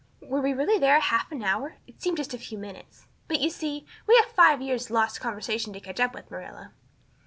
Were we really there half an hour? It seemed just a few minutes. But, you see, we have five years' lost conversations to catch up with, Marilla."